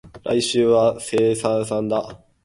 来週は相生祭だ